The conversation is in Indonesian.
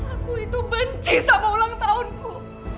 aku itu benci sama ulang tahunku